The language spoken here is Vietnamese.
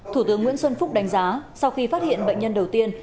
thủ tướng nguyễn xuân phúc đánh giá sau khi phát hiện bệnh nhân đầu tiên